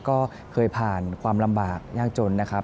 ก็เคยผ่านความลำบากยากจนนะครับ